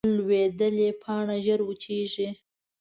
لوېدلې پاڼه ژر وچېږي